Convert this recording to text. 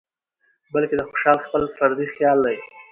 بلکې د خوشال خپل فردي خيال دى